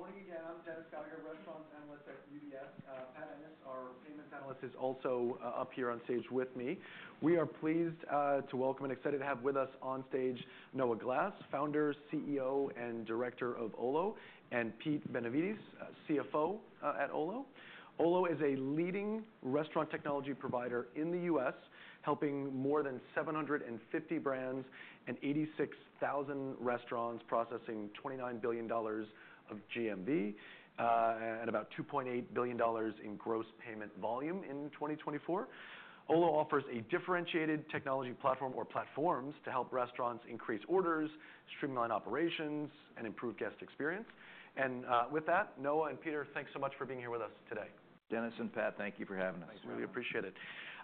Terrific. Good morning again. I'm Dennis Geiger, restaurant analyst at UBS. Pat Ennis, our payments analyst, is also up here on stage with me. We are pleased to welcome and excited to have with us on stage Noah Glass, founder, CEO, and director of Olo; and Pete Benevides, CFO at Olo. Olo is a leading restaurant technology provider in the U.S., helping more than 750 brands and 86,000 restaurants processing $29 billion of GMV and about $2.8 billion in gross payment volume in 2024. Olo offers a differentiated technology platform or platforms to help restaurants increase orders, streamline operations, and improve guest experience. With that, Noah and Peter, thanks so much for being here with us today. Dennis and Pat, thank you for having us. Thank you. We really appreciate it.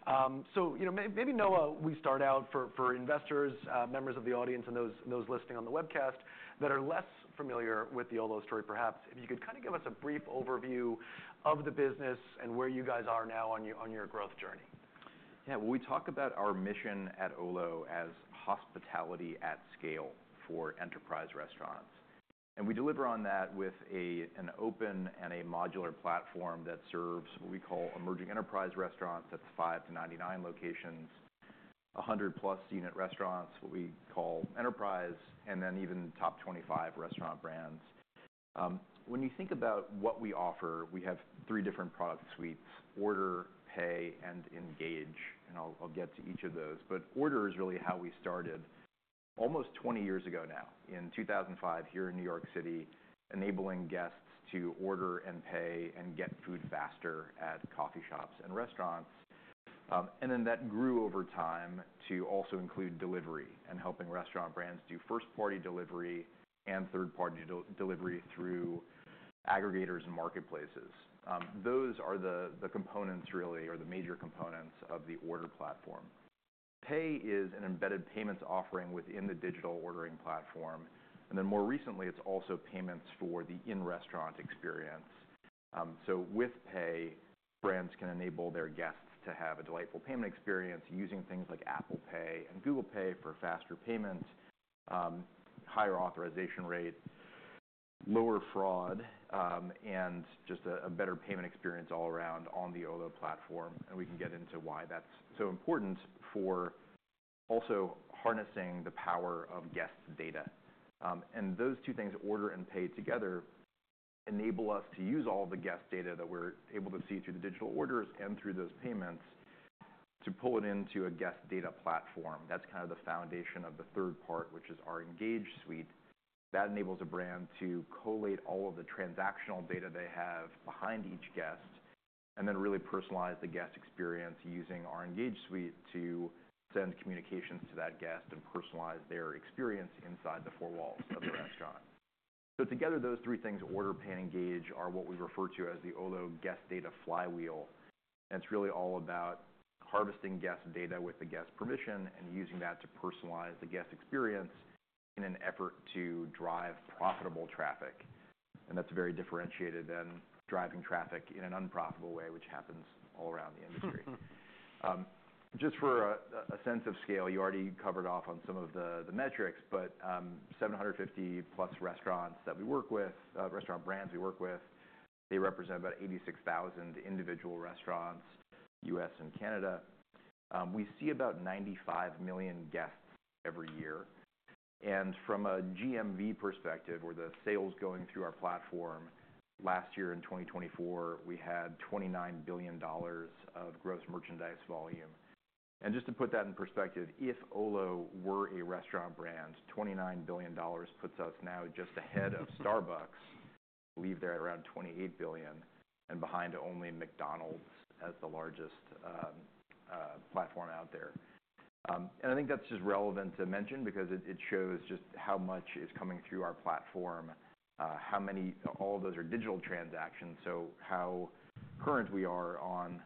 Thank you. You know, maybe Noah, we start out for investors, members of the audience, and those listening on the webcast that are less familiar with the Olo story, perhaps, if you could kind of give us a brief overview of the business and where you guys are now on your growth journey. Yeah. We talk about our mission at Olo as hospitality at scale for enterprise restaurants. We deliver on that with an open and a modular platform that serves what we call emerging enterprise restaurants. That's five to 99 locations, 100-plus unit restaurants, what we call enterprise, and then even top 25 restaurant brands. When you think about what we offer, we have three different product suites: Order, Pay, and Engage. I'll get to each of those. Order is really how we started almost 20 years ago now, in 2005, here in New York City, enabling guests to order and Pay and get food faster at coffee shops and restaurants. That grew over time to also include delivery and helping restaurant brands do first-party delivery and third-party delivery through aggregators and marketplaces. Those are the components, really, or the major components of the order platform. Pay is an embedded payments offering within the digital ordering platform. More recently, it's also payments for the in-restaurant experience. With Pay, brands can enable their guests to have a delightful payment experience using things like Apple Pay and Google Pay for faster payment, higher authorization rate, lower fraud, and just a better payment experience all around on the Olo platform. We can get into why that's so important for also harnessing the power of guest data. Those two things, Order and Pay together, enable us to use all the guest data that we're able to see through the digital orders and through those payments to pull it into a guest data platform. That's kind of the foundation of the third part, which is our Engage suite. That enables a brand to collate all of the transactional data they have behind each guest and then really personalize the guest experience using our Engage suite to send communications to that guest and personalize their experience inside the four walls of the restaurant. Together, those three things, Order, Pay, and Engage, are what we refer to as the Olo Guest Data Flywheel. It is really all about harvesting guest data with the guest's permission and using that to personalize the guest experience in an effort to drive profitable traffic. That is very differentiated than driving traffic in an unprofitable way, which happens all around the industry. Just for a sense of scale, you already covered off on some of the metrics, but 750-plus restaurant brands we work with, they represent about 86,000 individual restaurants in the U.S. and Canada. We see about 95 million guests every year. From a GMV perspective, or the sales going through our platform, last year in 2024, we had $29 billion of gross merchandise volume. Just to put that in perspective, if Olo were a restaurant brand, $29 billion puts us now just ahead of Starbucks, leaving there at around $28 billion, and behind only McDonald's as the largest platform out there. I think that's just relevant to mention because it shows just how much is coming through our platform, how many—all of those are digital transactions—so how current we are on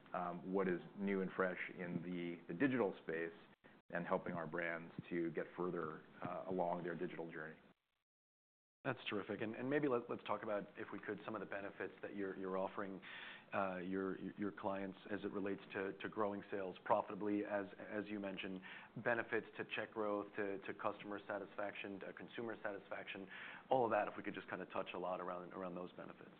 what is new and fresh in the digital space and helping our brands to get further along their digital journey. That's terrific. Maybe let's talk about, if we could, some of the benefits that you're offering your clients as it relates to growing sales profitably, as you mentioned, benefits to check growth, to customer satisfaction, to consumer satisfaction, all of that, if we could just kind of touch a lot around those benefits.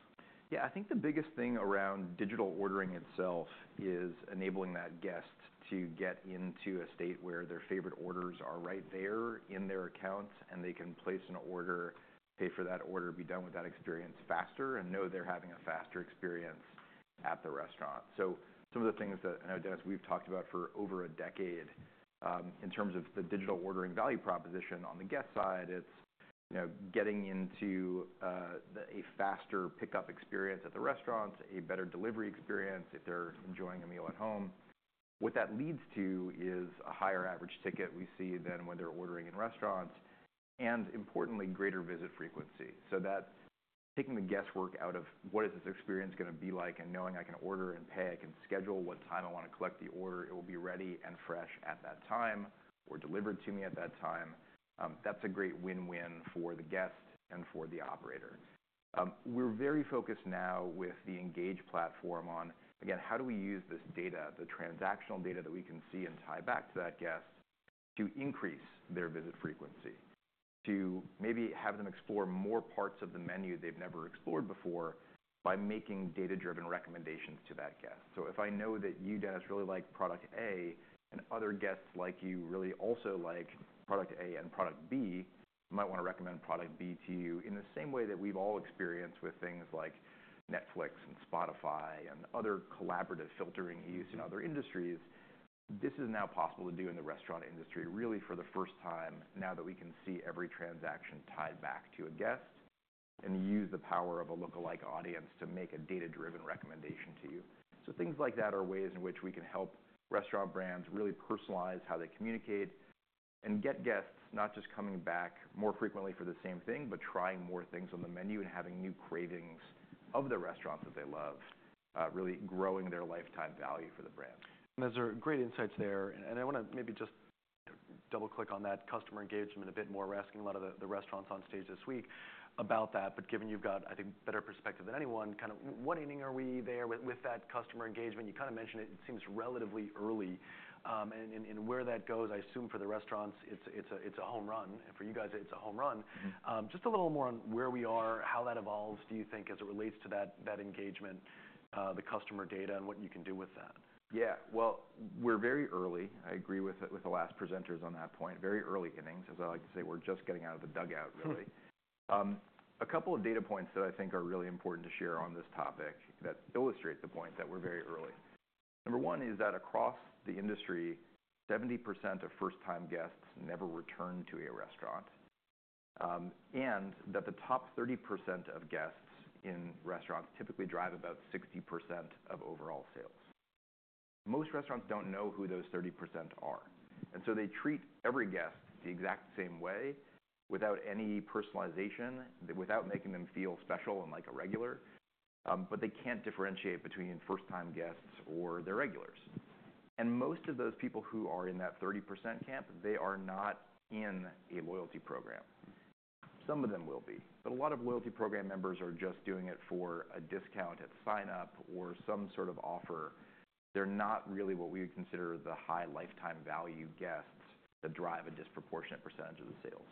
Yeah. I think the biggest thing around digital ordering itself is enabling that guest to get into a state where their favorite orders are right there in their account, and they can place an order, Pay for that order, be done with that experience faster, and know they're having a faster experience at the restaurant. Some of the things that I know, Dennis, we've talked about for over a decade in terms of the digital ordering value proposition on the guest side, it's getting into a faster pickup experience at the restaurant, a better delivery experience if they're enjoying a meal at home. What that leads to is a higher average ticket we see than when they're ordering in restaurants and, importantly, greater visit frequency. That taking the guesswork out of what is this experience going to be like and knowing I can order and pay, I can schedule what time I want to collect the order, it will be ready and fresh at that time or delivered to me at that time. That is a great win-win for the guest and for the operator. We are very focused now with the Engage platform on, again, how do we use this data, the transactional data that we can see and tie back to that guest, to increase their visit frequency, to maybe have them explore more parts of the menu they have never explored before by making data-driven recommendations to that guest. If I know that you, Dennis, really like product A and other guests like you really also like product A and product B, I might want to recommend product B to you in the same way that we've all experienced with things like Netflix and Spotify and other collaborative filtering use in other industries. This is now possible to do in the restaurant industry really for the first time now that we can see every transaction tied back to a guest and use the power of a lookalike audience to make a data-driven recommendation to you. Things like that are ways in which we can help restaurant brands really personalize how they communicate and get guests not just coming back more frequently for the same thing, but trying more things on the menu and having new cravings of the restaurants that they love, really growing their lifetime value for the brand. Those are great insights there. I want to maybe just double-click on that customer engagement a bit more. We're asking a lot of the restaurants on stage this week about that. Given you've got, I think, better perspective than anyone, kind of what ending are we there with that customer engagement? You kind of mentioned it seems relatively early. Where that goes, I assume for the restaurants, it's a home run. For you guys, it's a home run. Just a little more on where we are, how that evolves, do you think, as it relates to that engagement, the customer data, and what you can do with that? Yeah. We're very early. I agree with the last presenters on that point. Very early innings, as I like to say. We're just getting out of the dugout, really. A couple of data points that I think are really important to share on this topic that illustrate the point that we're very early. Number one is that across the industry, 70% of first-time guests never return to a restaurant, and that the top 30% of guests in restaurants typically drive about 60% of overall sales. Most restaurants don't know who those 30% are. They treat every guest the exact same way without any personalization, without making them feel special and like a regular. They can't differentiate between first-time guests or their regulars. Most of those people who are in that 30% camp, they are not in a loyalty program. Some of them will be. A lot of loyalty program members are just doing it for a discount at sign-up or some sort of offer. They're not really what we would consider the high lifetime value guests that drive a disproportionate percentage of the sales.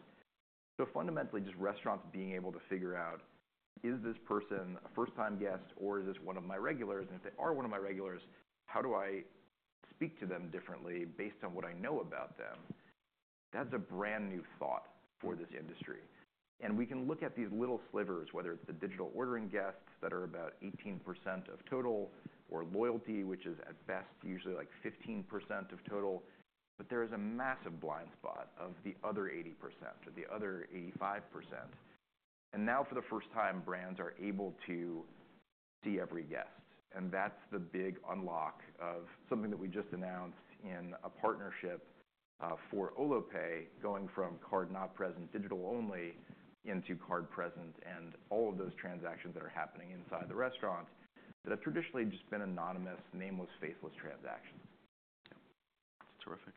Fundamentally, just restaurants being able to figure out, is this person a first-time guest, or is this one of my regulars? If they are one of my regulars, how do I speak to them differently based on what I know about them? That's a brand new thought for this industry. We can look at these little slivers, whether it's the digital ordering guests that are about 18% of total or loyalty, which is at best usually like 15% of total. There is a massive blind spot of the other 80% or the other 85%. Now for the first time, brands are able to see every guest. That's the big unlock of something that we just announced in a partnership for Olo Pay, going from card not present, digital only, into card present and all of those transactions that are happening inside the restaurant that have traditionally just been anonymous, nameless, faceless transactions. That's terrific.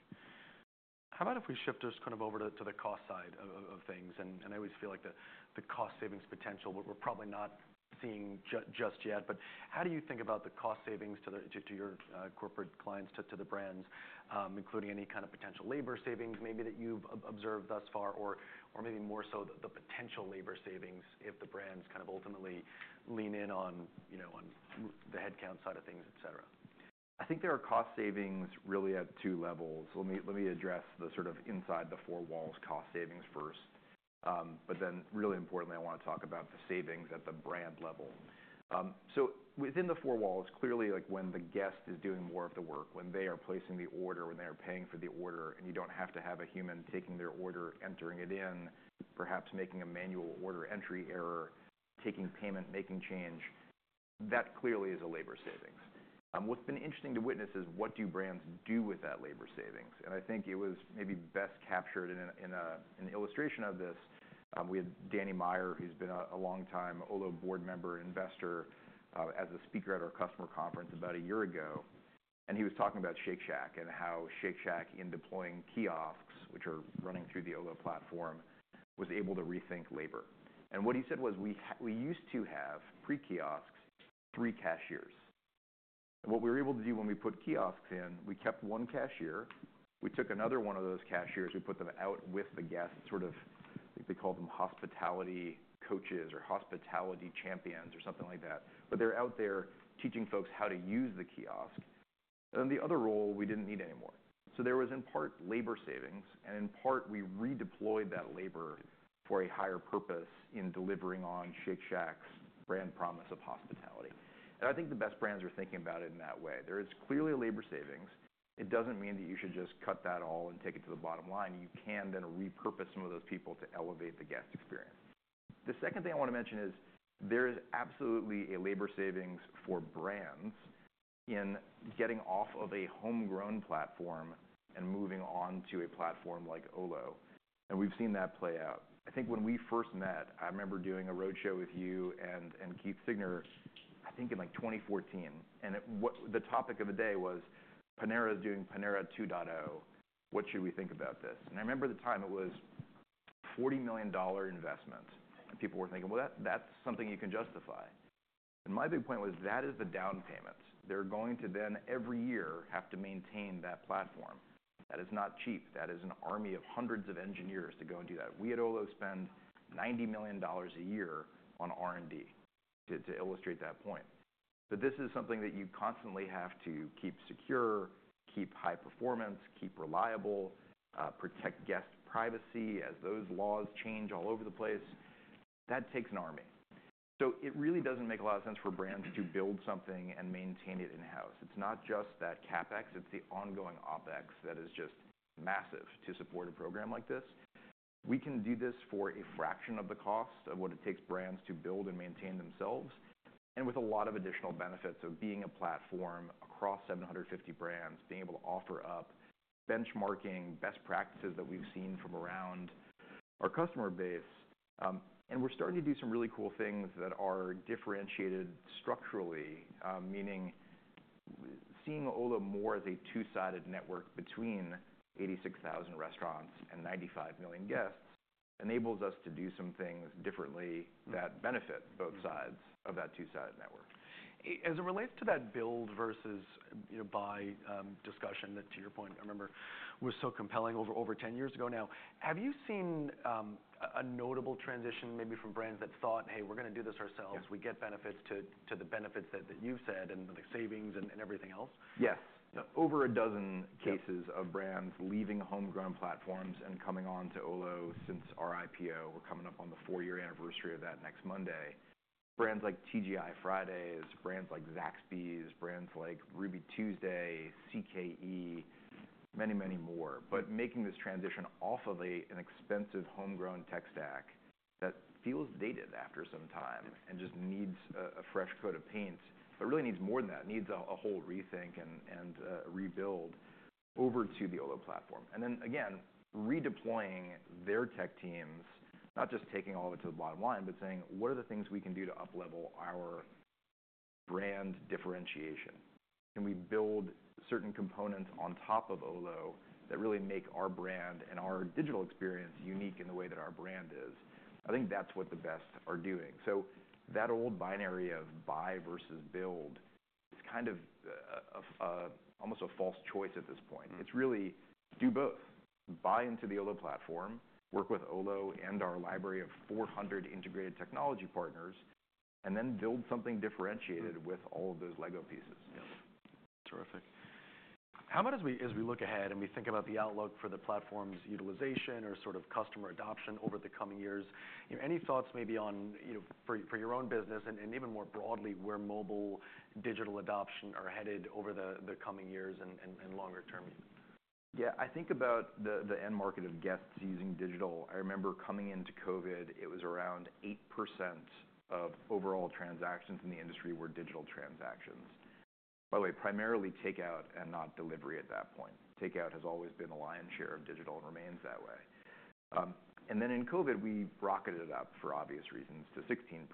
How about if we shift us kind of over to the cost side of things? I always feel like the cost savings potential, we're probably not seeing just yet. How do you think about the cost savings to your corporate clients, to the brands, including any kind of potential labor savings maybe that you've observed thus far, or maybe more so the potential labor savings if the brands kind of ultimately lean in on the headcount side of things, etc.? I think there are cost savings really at two levels. Let me address the sort of inside the four walls cost savings first. Really importantly, I want to talk about the savings at the brand level. Within the four walls, clearly when the guest is doing more of the work, when they are placing the order, when they are paying for the order, and you do not have to have a human taking their order, entering it in, perhaps making a manual order entry error, taking payment, making change, that clearly is a labor savings. What's been interesting to witness is what do brands do with that labor savings? I think it was maybe best captured in an illustration of this. We had Danny Meyer, who's been a longtime Olo board member and investor as a speaker at our customer conference about a year ago. He was talking about Shake Shack and how Shake Shack in deploying kiosks, which are running through the Olo platform, was able to rethink labor. What he said was, "We used to have pre-kiosks, three cashiers. What we were able to do when we put kiosks in, we kept one cashier. We took another one of those cashiers. We put them out with the guests." Sort of they call them hospitality coaches or hospitality champions or something like that. They're out there teaching folks how to use the kiosk. The other role, we didn't need anymore. There was in part labor savings, and in part, we redeployed that labor for a higher purpose in delivering on Shake Shack's brand promise of hospitality. I think the best brands are thinking about it in that way. There is clearly labor savings. It doesn't mean that you should just cut that all and take it to the bottom line. You can then repurpose some of those people to elevate the guest experience. The second thing I want to mention is there is absolutely a labor savings for brands in getting off of a homegrown platform and moving on to a platform like Olo. We've seen that play out. I think when we first met, I remember doing a roadshow with you and Keith Siegner, I think in 2014. The topic of the day was Panera is doing Panera 2.0. What should we think about this? I remember the time it was a $40 million investment. People were thinking, "That's something you can justify." My big point was that is the down payments. They're going to then every year have to maintain that platform. That is not cheap. That is an army of hundreds of engineers to go and do that. We at Olo spend $90 million a year on R&D to illustrate that point. This is something that you constantly have to keep secure, keep high performance, keep reliable, protect guest privacy as those laws change all over the place. That takes an army. It really doesn't make a lot of sense for brands to build something and maintain it in-house. It's not just that CapEx. It's the ongoing OpEx that is just massive to support a program like this. We can do this for a fraction of the cost of what it takes brands to build and maintain themselves, and with a lot of additional benefits of being a platform across 750 brands, being able to offer up benchmarking, best practices that we've seen from around our customer base. We're starting to do some really cool things that are differentiated structurally, meaning seeing Olo more as a two-sided network between 86,000 restaurants and 95 million guests enables us to do some things differently that benefit both sides of that two-sided network. As it relates to that build versus buy discussion that, to your point, I remember was so compelling over 10 years ago now, have you seen a notable transition maybe from brands that thought, "Hey, we're going to do this ourselves. We get benefits to the benefits that you've said and the savings and everything else"? Yes. Over a dozen cases of brands leaving homegrown platforms and coming on to Olo since our IPO. We're coming up on the four-year anniversary of that next Monday. Brands like TGI Fridays, brands like Zaxby's, brands like Ruby Tuesday, CKE, many, many more. Making this transition off of an expensive homegrown tech stack that feels dated after some time and just needs a fresh coat of paint, but really needs more than that, needs a whole rethink and rebuild over to the Olo platform. Again, redeploying their tech teams, not just taking all of it to the bottom line, but saying, "What are the things we can do to uplevel our brand differentiation? Can we build certain components on top of Olo that really make our brand and our digital experience unique in the way that our brand is? I think that's what the best are doing. That old binary of buy versus build is kind of almost a false choice at this point. It's really do both. Buy into the Olo platform, work with Olo and our library of 400 integrated technology partners, and then build something differentiated with all of those Lego pieces. Terrific. How about as we look ahead and we think about the outlook for the platform's utilization or sort of customer adoption over the coming years, any thoughts maybe for your own business and even more broadly where mobile digital adoption are headed over the coming years and longer term? Yeah. I think about the end market of guests using digital. I remember coming into COVID, it was around 8% of overall transactions in the industry were digital transactions. By the way, primarily takeout and not delivery at that point. Takeout has always been the lion's share of digital and remains that way. In COVID, we rocketed it up for obvious reasons to 16%.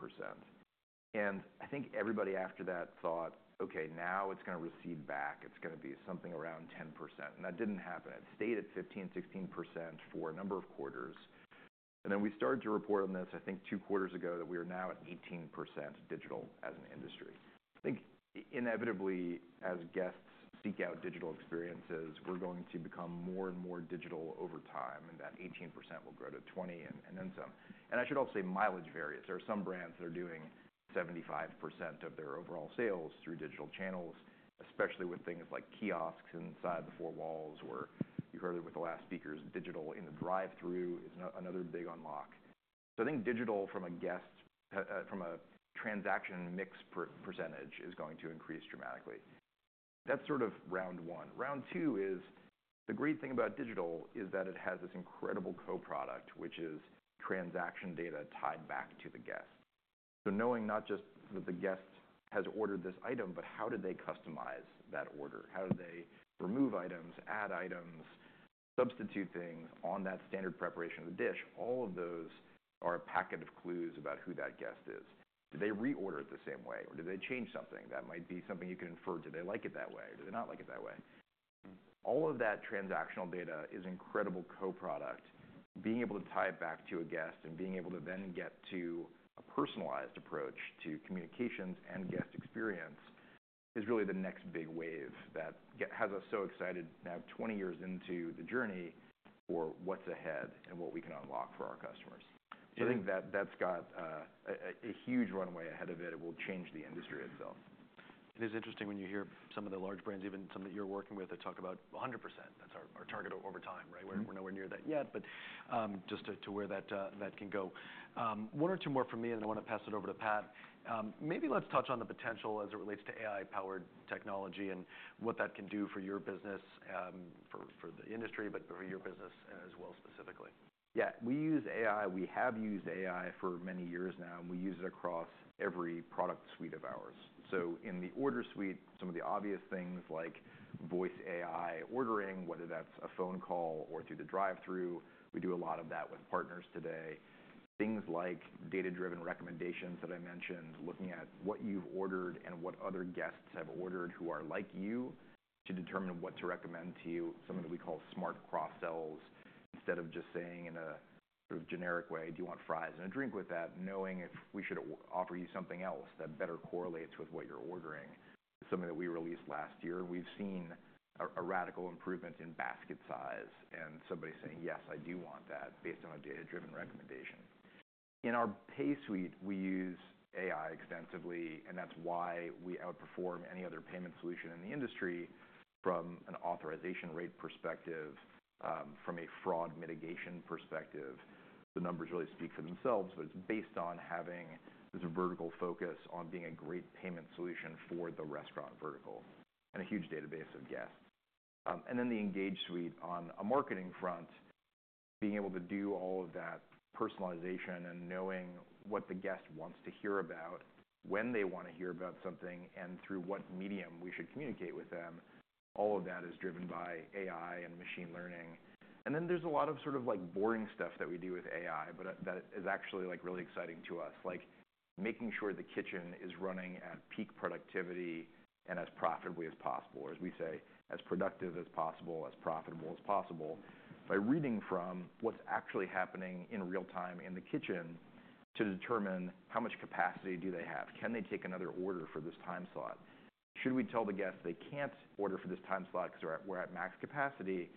I think everybody after that thought, "Okay, now it's going to recede back. It's going to be something around 10%." That didn't happen. It stayed at 15-16% for a number of quarters. We started to report on this, I think two quarters ago, that we are now at 18% digital as an industry. I think inevitably, as guests seek out digital experiences, we're going to become more and more digital over time, and that 18% will grow to 20% and then some. I should also say mileage varies. There are some brands that are doing 75% of their overall sales through digital channels, especially with things like kiosks inside the four walls or you heard it with the last speakers, digital in the drive-thru is another big unlock. I think digital from a transaction mix percentage is going to increase dramatically. That's sort of round one. Round two is the great thing about digital is that it has this incredible co-product, which is transaction data tied back to the guest. Knowing not just that the guest has ordered this item, but how did they customize that order? How did they remove items, add items, substitute things on that standard preparation of the dish? All of those are a packet of clues about who that guest is. Did they reorder it the same way, or did they change something? That might be something you can infer. Did they like it that way, or did they not like it that way? All of that transactional data is incredible co-product. Being able to tie it back to a guest and being able to then get to a personalized approach to communications and guest experience is really the next big wave that has us so excited now 20 years into the journey for what's ahead and what we can unlock for our customers. I think that's got a huge runway ahead of it. It will change the industry itself. It is interesting when you hear some of the large brands, even some that you're working with, that talk about 100%. That's our target over time, right? We're nowhere near that yet, but just to where that can go. One or two more from me, and then I want to pass it over to Pat. Maybe let's touch on the potential as it relates to AI-powered technology and what that can do for your business, for the industry, but for your business as well specifically. Yeah. We use AI. We have used AI for many years now, and we use it across every product suite of ours. In the order suite, some of the obvious things like voice AI ordering, whether that's a phone call or through the drive-thru, we do a lot of that with partners today. Things like data-driven recommendations that I mentioned, looking at what you've ordered and what other guests have ordered who are like you to determine what to recommend to you, some of what we call smart cross-sells instead of just saying in a sort of generic way, "Do you want fries and a drink with that?" Knowing if we should offer you something else that better correlates with what you're ordering. It's something that we released last year. We've seen a radical improvement in basket size and somebody saying, "Yes, I do want that based on a data-driven recommendation." In our pay suite, we use AI extensively, and that's why we outperform any other payment solution in the industry from an authorization rate perspective, from a fraud mitigation perspective. The numbers really speak for themselves, but it's based on having this vertical focus on being a great payment solution for the restaurant vertical and a huge database of guests. The Engage suite on a marketing front, being able to do all of that personalization and knowing what the guest wants to hear about, when they want to hear about something, and through what medium we should communicate with them. All of that is driven by AI and machine learning. There is a lot of sort of boring stuff that we do with AI, but that is actually really exciting to us, like making sure the kitchen is running at peak productivity and as profitably as possible, or as we say, as productive as possible, as profitable as possible, by reading from what is actually happening in real time in the kitchen to determine how much capacity they have. Can they take another order for this time slot? Should we tell the guest they cannot order for this time slot because we are at max capacity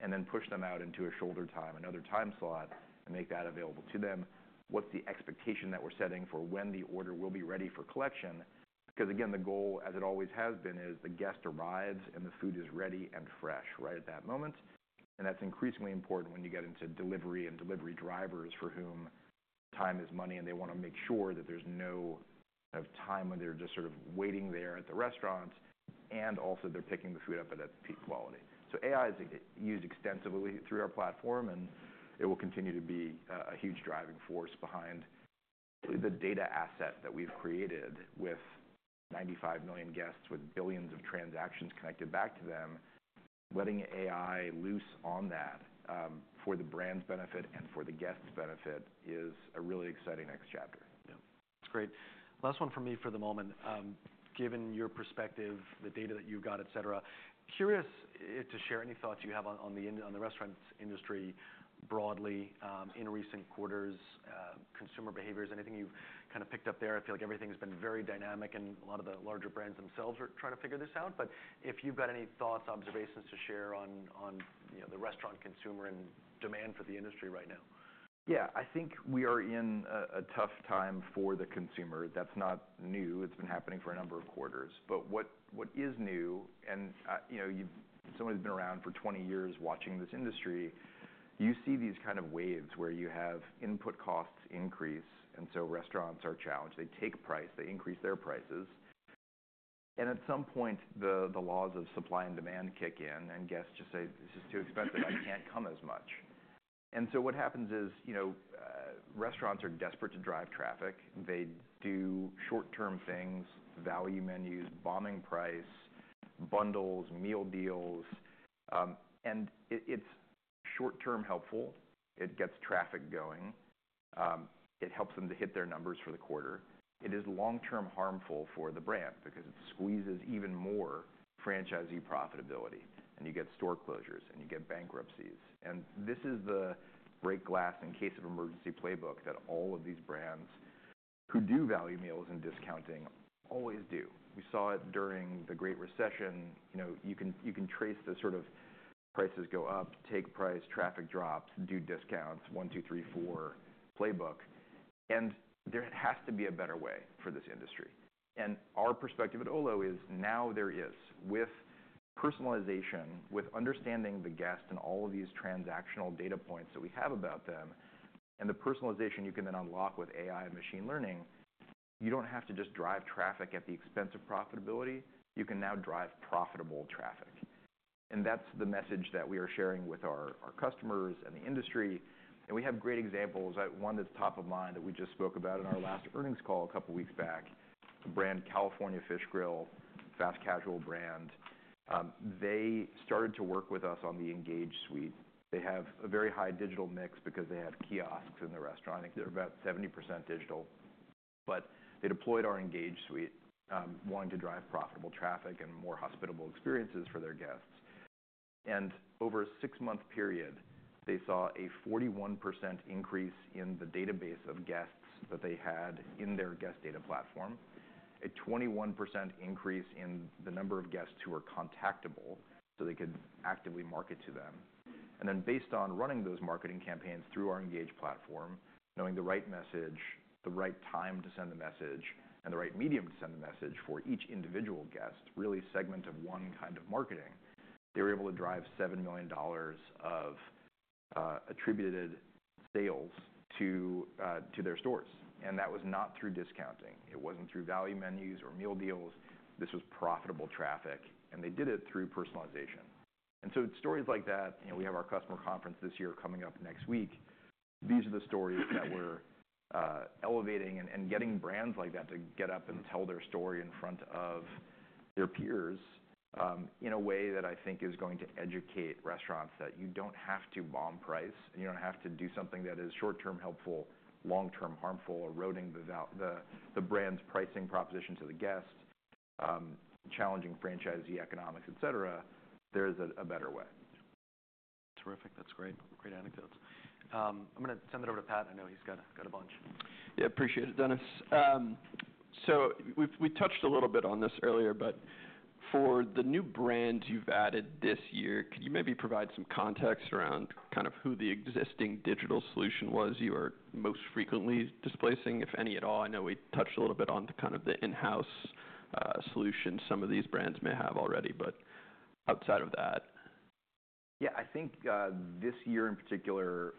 and then push them out into a shoulder time, another time slot, and make that available to them? What is the expectation that we are setting for when the order will be ready for collection? Because again, the goal, as it always has been, is the guest arrives and the food is ready and fresh right at that moment. That's increasingly important when you get into delivery and delivery drivers for whom time is money, and they want to make sure that there's no time when they're just sort of waiting there at the restaurant and also they're picking the food up at that peak quality. AI is used extensively through our platform, and it will continue to be a huge driving force behind the data asset that we've created with 95 million guests with billions of transactions connected back to them. Letting AI loose on that for the brand's benefit and for the guest's benefit is a really exciting next chapter. Yeah. That's great. Last one from me for the moment. Given your perspective, the data that you've got, etc., curious to share any thoughts you have on the restaurant industry broadly in recent quarters, consumer behaviors, anything you've kind of picked up there. I feel like everything's been very dynamic, and a lot of the larger brands themselves are trying to figure this out. If you've got any thoughts, observations to share on the restaurant consumer and demand for the industry right now. Yeah. I think we are in a tough time for the consumer. That's not new. It's been happening for a number of quarters. What is new, and somebody who's been around for 20 years watching this industry, you see these kind of waves where you have input costs increase, and so restaurants are challenged. They take price. They increase their prices. At some point, the laws of supply and demand kick in, and guests just say, "This is too expensive. I can't come as much." What happens is restaurants are desperate to drive traffic. They do short-term things, value menus, bombing price, bundles, meal deals. It's short-term helpful. It gets traffic going. It helps them to hit their numbers for the quarter. It is long-term harmful for the brand because it squeezes even more franchisee profitability, and you get store closures, and you get bankruptcies. This is the break glass in case of emergency playbook that all of these brands who do value meals and discounting always do. We saw it during the Great Recession. You can trace the sort of prices go up, take price, traffic drops, do discounts, one, two, three, four playbook. There has to be a better way for this industry. Our perspective at Olo is now there is, with personalization, with understanding the guest and all of these transactional data points that we have about them, and the personalization you can then unlock with AI and machine learning, you do not have to just drive traffic at the expense of profitability. You can now drive profitable traffic. That is the message that we are sharing with our customers and the industry. We have great examples. One that's top of mind that we just spoke about in our last earnings call a couple of weeks back, a brand, California Fish Grill, fast casual brand. They started to work with us on the Engage suite. They have a very high digital mix because they have kiosks in the restaurant. I think they're about 70% digital. They deployed our Engage suite wanting to drive profitable traffic and more hospitable experiences for their guests. Over a six-month period, they saw a 41% increase in the database of guests that they had in their Guest Data Platform, a 21% increase in the number of guests who are contactable so they could actively market to them. Based on running those marketing campaigns through our Engage platform, knowing the right message, the right time to send the message, and the right medium to send the message for each individual guest, really segment of one kind of marketing, they were able to drive $7 million of attributed sales to their stores. That was not through discounting. It was not through value menus or meal deals. This was profitable traffic. They did it through personalization. Stories like that, we have our customer conference this year coming up next week. These are the stories that we're elevating and getting brands like that to get up and tell their story in front of their peers in a way that I think is going to educate restaurants that you don't have to bomb price, and you don't have to do something that is short-term helpful, long-term harmful, eroding the brand's pricing proposition to the guest, challenging franchisee economics, etc. There is a better way. Terrific. That's great. Great anecdotes. I'm going to send it over to Pat. I know he's got a bunch. Yeah. Appreciate it, Dennis. We touched a little bit on this earlier, but for the new brand you've added this year, could you maybe provide some context around kind of who the existing digital solution was you are most frequently displacing, if any at all? I know we touched a little bit on kind of the in-house solution some of these brands may have already, but outside of that. Yeah. I think this year in particular,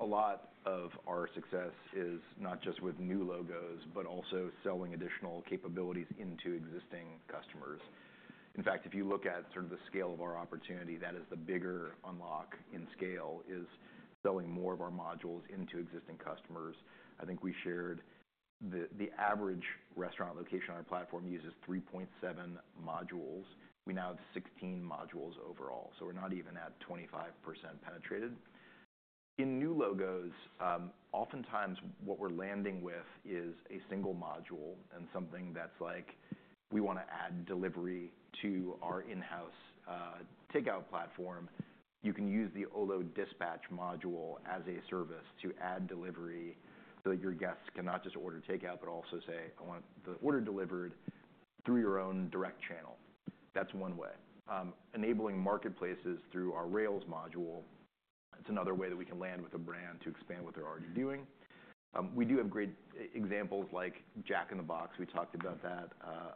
a lot of our success is not just with new logos, but also selling additional capabilities into existing customers. In fact, if you look at sort of the scale of our opportunity, that is the bigger unlock in scale is selling more of our modules into existing customers. I think we shared the average restaurant location on our platform uses 3.7 modules. We now have 16 modules overall. So we're not even at 25% penetrated. In new logos, oftentimes what we're landing with is a single module and something that's like, "We want to add delivery to our in-house takeout platform." You can use the Olo Dispatch module as a service to add delivery so that your guests can not just order takeout, but also say, "I want the order delivered through your own direct channel." That's one way. Enabling marketplaces through our Rails module, it's another way that we can land with a brand to expand what they're already doing. We do have great examples like Jack in the Box. We talked about that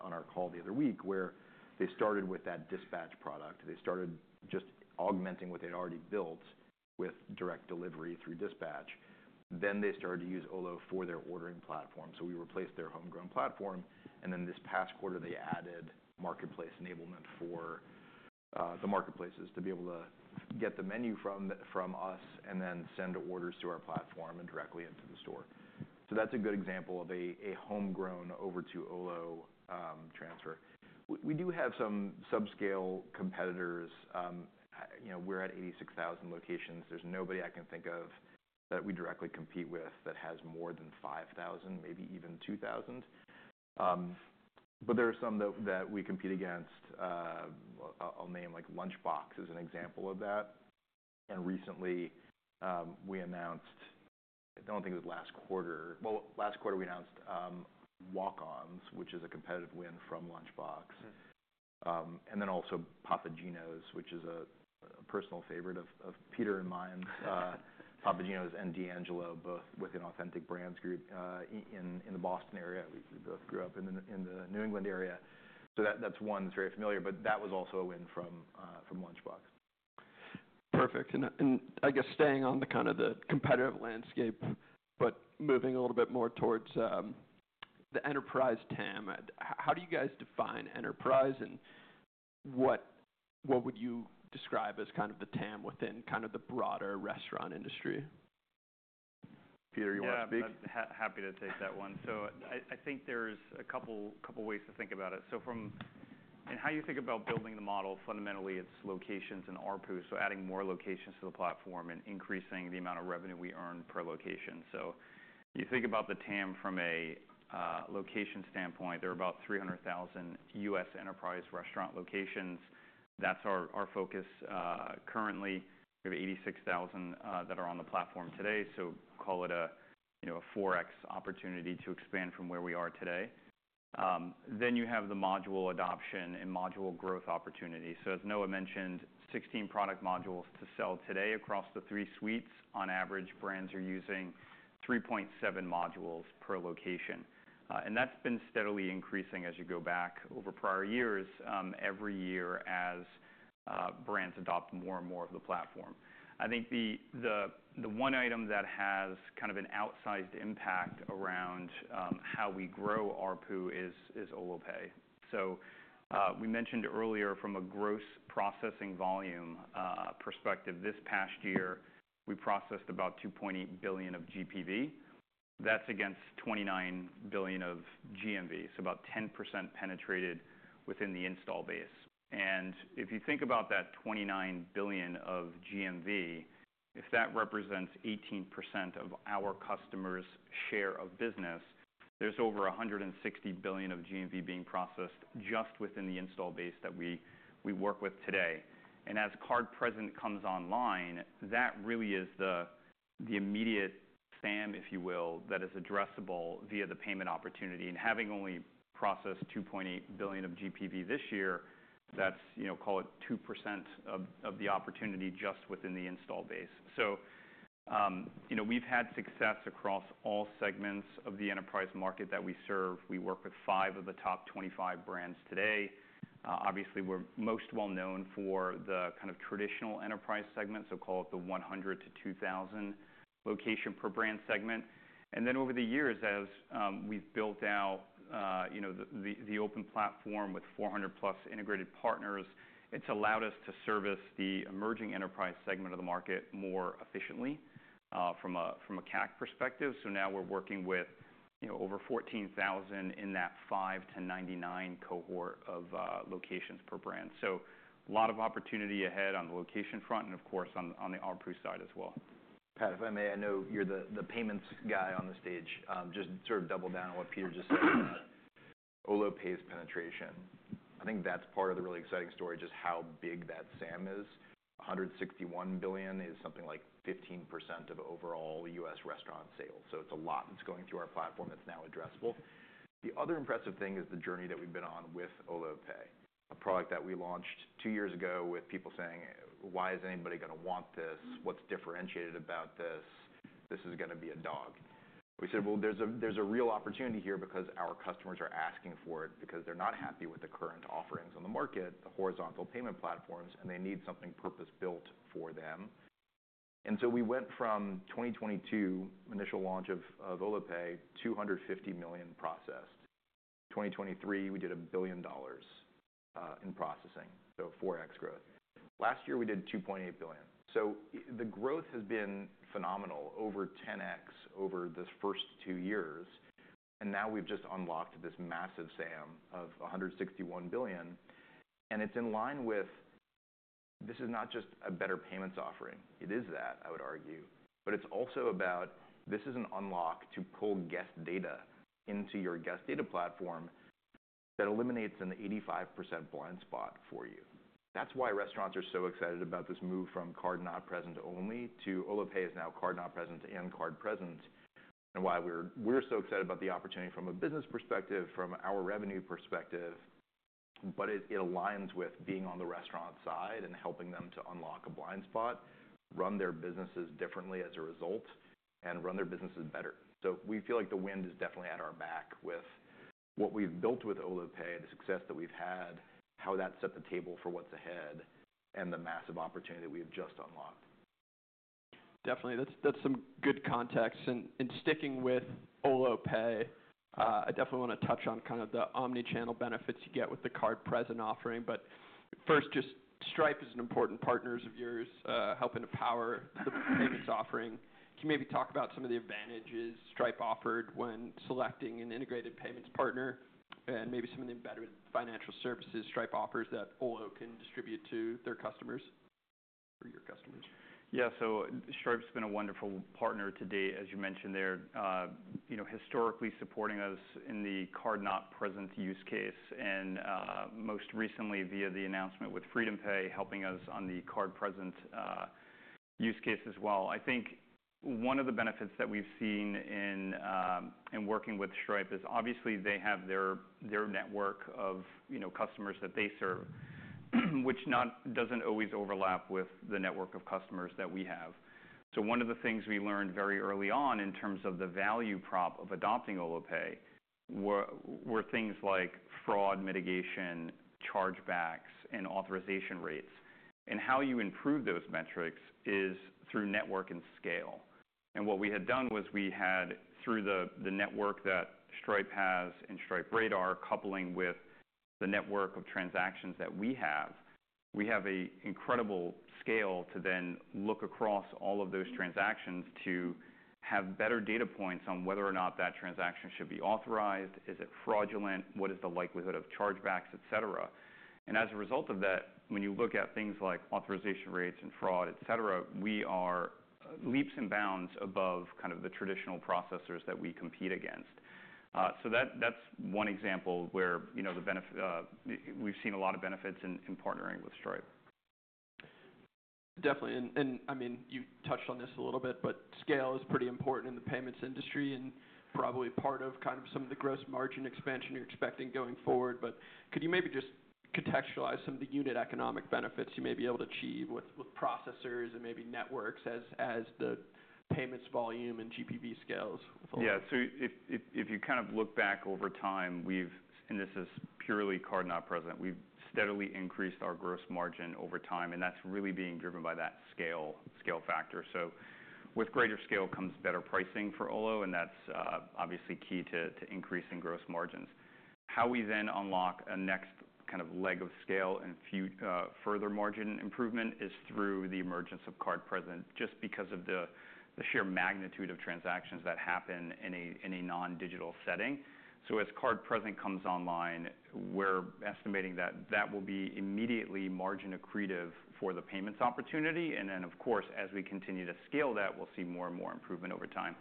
on our call the other week where they started with that Dispatch product. They started just augmenting what they'd already built with direct delivery through Dispatch. They started to use Olo for their ordering platform. We replaced their homegrown platform. This past quarter, they added marketplace enablement for the marketplaces to be able to get the menu from us and then send orders to our platform and directly into the store. That's a good example of a homegrown over to Olo transfer. We do have some subscale competitors. We're at 86,000 locations. There's nobody I can think of that we directly compete with that has more than 5,000, maybe even 2,000. There are some that we compete against. I'll name like Lunchbox as an example of that. Recently, we announced, I don't think it was last quarter, last quarter we announced Walk-On's, which is a competitive win from Lunchbox. Also Papa Gino's, which is a personal favorite of Peter and mine, Papa Gino's and D'Angelo, both with Authentic Brands Group in the Boston area. We both grew up in the New England area. That's one that's very familiar, but that was also a win from Lunchbox. Perfect. I guess staying on the kind of the competitive landscape, but moving a little bit more towards the enterprise TAM. How do you guys define enterprise and what would you describe as kind of the TAM within kind of the broader restaurant industry? Peter, you want to speak? Yeah. Happy to take that one. I think there's a couple of ways to think about it. In how you think about building the model, fundamentally, it's locations and ARPUs, so adding more locations to the platform and increasing the amount of revenue we earn per location. You think about the TAM from a location standpoint, there are about 300,000 U.S. enterprise restaurant locations. That's our focus currently. We have 86,000 that are on the platform today. Call it a 4x opportunity to expand from where we are today. You have the module adoption and module growth opportunity. As Noah mentioned, 16 product modules to sell today across the three suites. On average, brands are using 3.7 modules per location. That's been steadily increasing as you go back over prior years, every year as brands adopt more and more of the platform. I think the one item that has kind of an outsized impact around how we grow ARPU is Olo Pay. We mentioned earlier from a gross processing volume perspective, this past year, we processed about $2.8 billion of GPV. That's against $29 billion of GMV, so about 10% penetrated within the install base. If you think about that $29 billion of GMV, if that represents 18% of our customer's share of business, there's over $160 billion of GMV being processed just within the install base that we work with today. As card present comes online, that really is the immediate SAM, if you will, that is addressable via the payment opportunity. Having only processed $2.8 billion of GPV this year, that's, call it, 2% of the opportunity just within the install base. We've had success across all segments of the enterprise market that we serve. We work with five of the top 25 brands today. Obviously, we're most well-known for the kind of traditional enterprise segment, so call it the 100-2,000 location per brand segment. Over the years, as we've built out the open platform with 400-plus integrated partners, it's allowed us to service the emerging enterprise segment of the market more efficiently from a CAC perspective. Now we're working with over 14,000 in that 5-99 cohort of locations per brand. A lot of opportunity ahead on the location front and, of course, on the ARPU side as well. Pat, if I may, I know you're the payments guy on the stage. Just sort of double down on what Peter just said about Olo Pay's penetration. I think that's part of the really exciting story, just how big that SAM is. $161 billion is something like 15% of overall U.S. restaurant sales. It is a lot that's going through our platform that's now addressable. The other impressive thing is the journey that we've been on with Olo Pay, a product that we launched two years ago with people saying, "Why is anybody going to want this? What's differentiated about this? This is going to be a dog." We said, "Well, there's a real opportunity here because our customers are asking for it because they're not happy with the current offerings on the market, the horizontal payment platforms, and they need something purpose-built for them." We went from 2022, initial launch of Olo Pay, $250 million processed. In 2023, we did $1 billion in processing, so 4x growth. Last year, we did $2.8 billion. The growth has been phenomenal, over 10x over the first two years. Now we've just unlocked this massive SAM of $161 billion. It is in line with this is not just a better payments offering. It is that, I would argue. It is also about this is an unlock to pull guest data into your Guest Data Platform that eliminates an 85% blind spot for you. That's why restaurants are so excited about this move from card not present only to Olo Pay is now card not present and card present, and why we're so excited about the opportunity from a business perspective, from our revenue perspective. It aligns with being on the restaurant side and helping them to unlock a blind spot, run their businesses differently as a result, and run their businesses better. We feel like the wind is definitely at our back with what we've built with Olo Pay, the success that we've had, how that set the table for what's ahead, and the massive opportunity that we have just unlocked. Definitely. That's some good context. Sticking with Olo Pay, I definitely want to touch on kind of the omnichannel benefits you get with the card present offering. First, just Stripe is an important partner of yours, helping to power the payments offering. Can you maybe talk about some of the advantages Stripe offered when selecting an integrated payments partner and maybe some of the embedded financial services Stripe offers that Olo can distribute to their customers or your customers? Yeah. Stripe's been a wonderful partner to date, as you mentioned there, historically supporting us in the card not present use case, and most recently via the announcement with FreedomPay, helping us on the card present use case as well. I think one of the benefits that we've seen in working with Stripe is obviously they have their network of customers that they serve, which doesn't always overlap with the network of customers that we have. One of the things we learned very early on in terms of the value prop of adopting Olo Pay were things like fraud mitigation, chargebacks, and authorization rates. How you improve those metrics is through network and scale. What we had done was we had, through the network that Stripe has and Stripe Radar coupling with the network of transactions that we have, we have an incredible scale to then look across all of those transactions to have better data points on whether or not that transaction should be authorized, is it fraudulent, what is the likelihood of chargebacks, etc. As a result of that, when you look at things like authorization rates and fraud, etc., we are leaps and bounds above kind of the traditional processors that we compete against. That is one example where we've seen a lot of benefits in partnering with Stripe. Definitely. I mean, you touched on this a little bit, but scale is pretty important in the payments industry and probably part of kind of some of the gross margin expansion you're expecting going forward. Could you maybe just contextualize some of the unit economic benefits you may be able to achieve with processors and maybe networks as the payments volume and GPV scales? Yeah. If you kind of look back over time, and this is purely card not present, we've steadily increased our gross margin over time. That's really being driven by that scale factor. With greater scale comes better pricing for Olo, and that's obviously key to increasing gross margins. How we then unlock a next kind of leg of scale and further margin improvement is through the emergence of card present, just because of the sheer magnitude of transactions that happen in a non-digital setting. As card present comes online, we're estimating that that will be immediately margin accretive for the payments opportunity. Of course, as we continue to scale that, we'll see more and more improvement over time.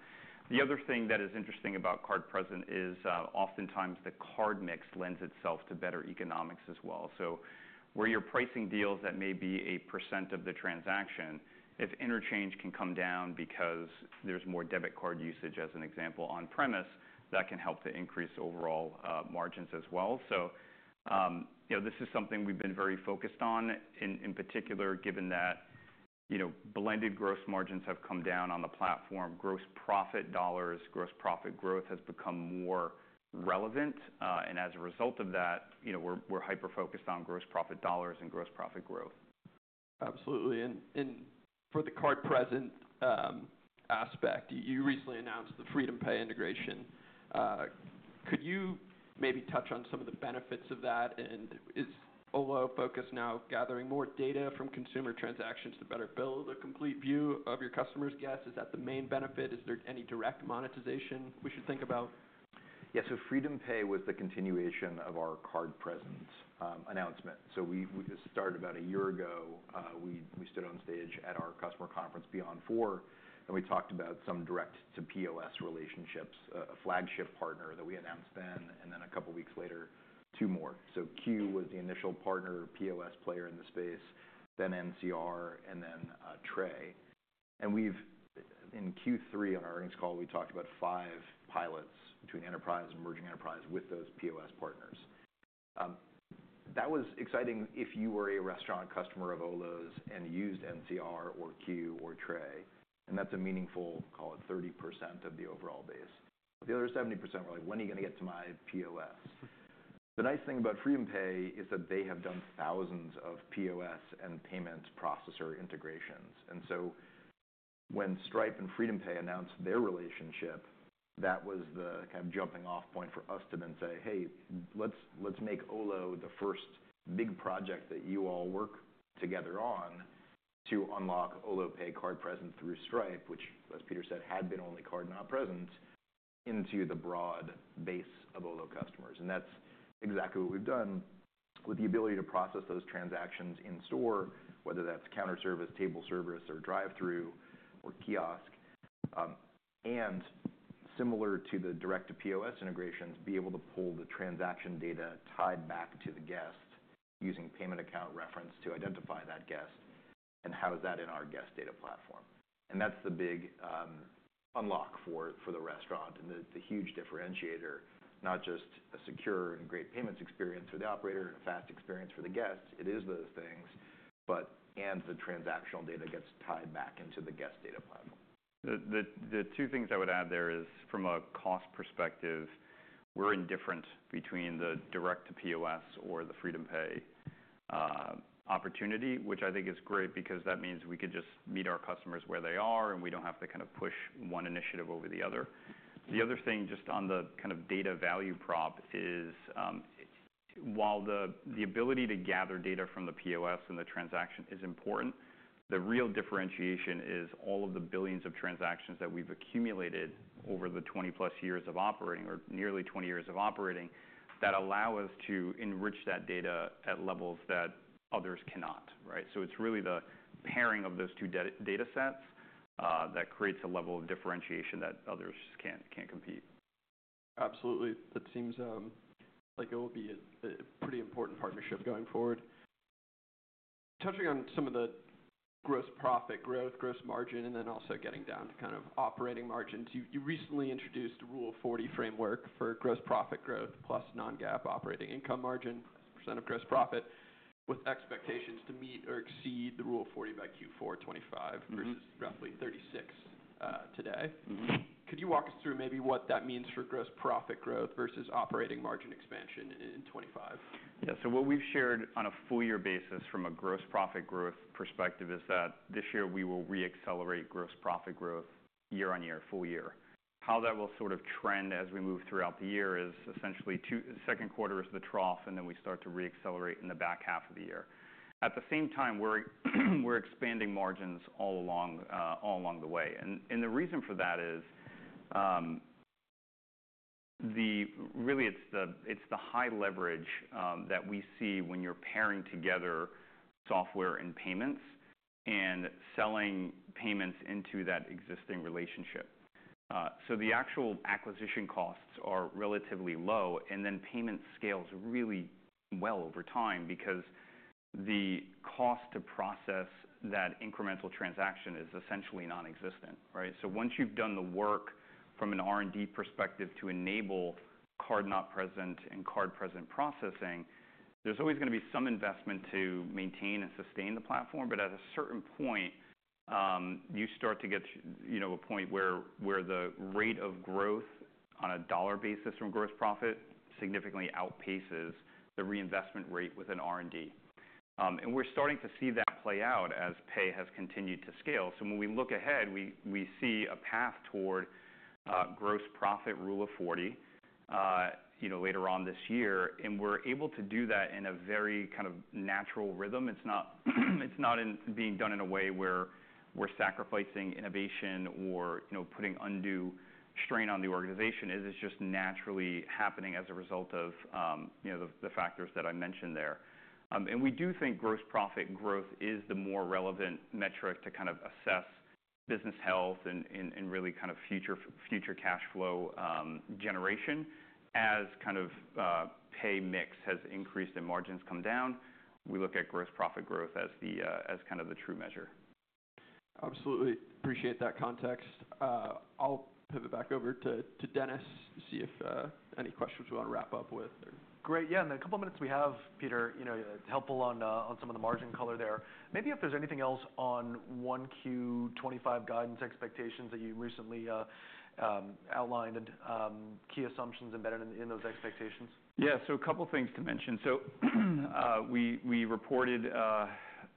The other thing that is interesting about card present is oftentimes the card mix lends itself to better economics as well. Where you're pricing deals that may be a % of the transaction, if interchange can come down because there's more debit card usage, as an example, on-premise, that can help to increase overall margins as well. This is something we've been very focused on, in particular, given that blended gross margins have come down on the platform, gross profit dollars, gross profit growth has become more relevant. As a result of that, we're hyper-focused on gross profit dollars and gross profit growth. Absolutely. For the card present aspect, you recently announced the FreedomPay integration. Could you maybe touch on some of the benefits of that? Is Olo focused now on gathering more data from consumer transactions to better build a complete view of your customers' guests? Is that the main benefit? Is there any direct monetization we should think about? Yeah. FreedomPay was the continuation of our card present announcement. We started about a year ago. We stood on stage at our customer conference, Beyond Four, and we talked about some direct-to-POS relationships, a flagship partner that we announced then, and a couple of weeks later, two more. Qu was the initial partner, POS player in the space, then NCR, and then Tray. In Q3 on our earnings call, we talked about five pilots between enterprise and emerging enterprise with those POS partners. That was exciting if you were a restaurant customer of Olo's and used NCR or Qu or Tray. That is a meaningful, call it 30% of the overall base. The other 70% were like, "When are you going to get to my POS?" The nice thing about FreedomPay is that they have done thousands of POS and payment processor integrations. When Stripe and FreedomPay announced their relationship, that was the kind of jumping-off point for us to then say, "Hey, let's make Olo the first big project that you all work together on to unlock Olo Pay card present through Stripe," which, as Peter said, had been only card not present, into the broad base of Olo customers. That is exactly what we have done with the ability to process those transactions in store, whether that is counter service, table service, drive-thru, or kiosk. Similar to the direct-to-POS integrations, we are able to pull the transaction data tied back to the guest using payment account reference to identify that guest and house that in our Guest Data Platform. That is the big unlock for the restaurant and the huge differentiator, not just a secure and great payments experience for the operator and a fast experience for the guest. It is those things, and the transactional data gets tied back into the Guest Data Platform. The two things I would add there is from a cost perspective, we're indifferent between the direct-to-POS or the FreedomPay opportunity, which I think is great because that means we could just meet our customers where they are, and we don't have to kind of push one initiative over the other. The other thing just on the kind of data value prop is while the ability to gather data from the POS and the transaction is important, the real differentiation is all of the billions of transactions that we've accumulated over the 20-plus years of operating or nearly 20 years of operating that allow us to enrich that data at levels that others cannot, right? It is really the pairing of those two data sets that creates a level of differentiation that others cannot compete with. Absolutely. That seems like it will be a pretty important partnership going forward. Touching on some of the gross profit growth, gross margin, and then also getting down to kind of operating margins, you recently introduced the Rule of 40 framework for gross profit growth plus non-GAAP operating income margin as a percent of gross profit with expectations to meet or exceed the Rule of 40 by Q4 2025 versus roughly 36% today. Could you walk us through maybe what that means for gross profit growth versus operating margin expansion in 2025? Yeah. What we've shared on a full-year basis from a gross profit growth perspective is that this year we will re-accelerate gross profit growth year on year, full year. How that will sort of trend as we move throughout the year is essentially second quarter is the trough, and we start to re-accelerate in the back half of the year. At the same time, we're expanding margins all along the way. The reason for that is really it's the high leverage that we see when you're pairing together software and payments and selling payments into that existing relationship. The actual acquisition costs are relatively low, and then payment scales really well over time because the cost to process that incremental transaction is essentially nonexistent, right? Once you've done the work from an R&D perspective to enable card not present and card present processing, there's always going to be some investment to maintain and sustain the platform. At a certain point, you start to get to a point where the rate of growth on a dollar basis from gross profit significantly outpaces the reinvestment rate within R&D. We're starting to see that play out as pay has continued to scale. When we look ahead, we see a path toward gross profit Rule of 40 later on this year. We're able to do that in a very kind of natural rhythm. It's not being done in a way where we're sacrificing innovation or putting undue strain on the organization. It's just naturally happening as a result of the factors that I mentioned there. We do think gross profit growth is the more relevant metric to kind of assess business health and really kind of future cash flow generation as kind of pay mix has increased and margins come down. We look at gross profit growth as kind of the true measure. Absolutely. Appreciate that context. I'll pivot back over to Dennis to see if any questions you want to wrap up with. Great. Yeah. In the couple of minutes we have, Peter, helpful on some of the margin color there. Maybe if there's anything else on 1Q25 guidance expectations that you recently outlined, key assumptions embedded in those expectations. Yeah. So a couple of things to mention. We reported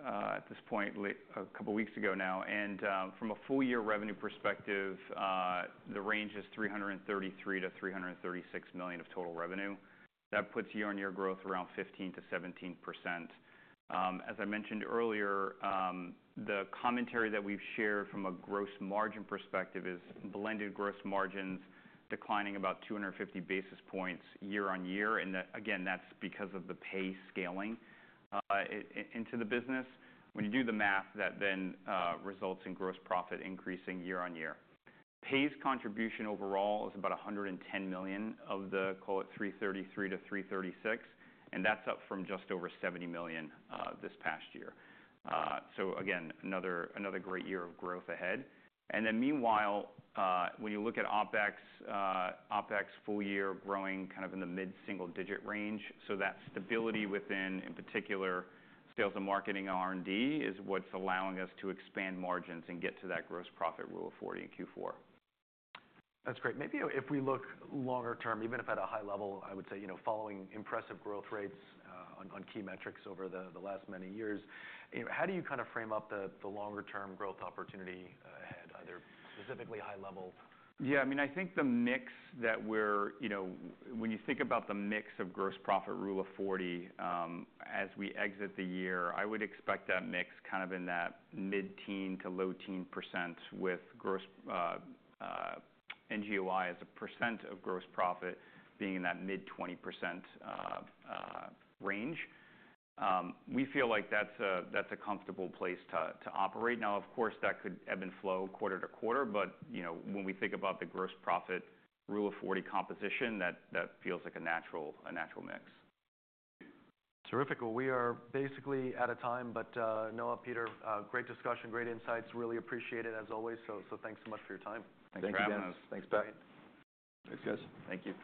at this point a couple of weeks ago now. From a full-year revenue perspective, the range is $333 million-$336 million of total revenue. That puts year-on-year growth around 15%-17%. As I mentioned earlier, the commentary that we've shared from a gross margin perspective is blended gross margins declining about 250 basis points year on year. Again, that's because of the pay scaling into the business. When you do the math, that then results in gross profit increasing year on year. Pay's contribution overall is about $110 million of the, call it, $333 million-$336 million. That's up from just over $70 million this past year. Again, another great year of growth ahead. Meanwhile, when you look at OpEx, OpEx full year growing kind of in the mid-single-digit range. That stability within, in particular, sales and marketing, R&D is what's allowing us to expand margins and get to that gross profit Rule of 40 in Q4. That's great. Maybe if we look longer term, even if at a high level, I would say following impressive growth rates on key metrics over the last many years, how do you kind of frame up the longer-term growth opportunity ahead? Are there specifically high levels? Yeah. I mean, I think the mix that we're when you think about the mix of gross profit Rule of 40 as we exit the year, I would expect that mix kind of in that mid-teen to low-teen % with Non-GAAP OI as a % of gross profit being in that mid-20% range. We feel like that's a comfortable place to operate. Now, of course, that could ebb and flow quarter to quarter. When we think about the gross profit Rule of 40 composition, that feels like a natural mix. Terrific. We are basically out of time. Noah, Peter, great discussion, great insights. Really appreciate it, as always. Thanks so much for your time. Thanks, guys. Thanks, guys. Thanks, guys. Thank you.